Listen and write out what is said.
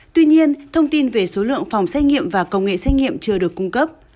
tuy nhiên thông tin về số lượng phòng xét nghiệm và công nghệ xét nghiệm chưa được cung cấp